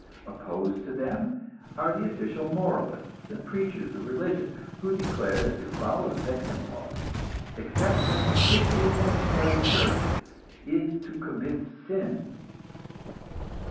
Opposed to them are the official moralists and preachers of religion, who declare that to follow the sex impulse, except when officially sanctioned by the church, is to commit sin.